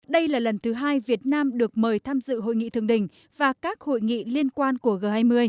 đây là lần thứ hai việt nam được mời tham dự hội nghị thường đình và các hội nghị liên quan của g hai mươi